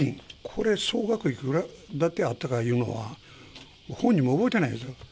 これ、総額いくらだけあったかいうのは、本人も覚えてないですよ。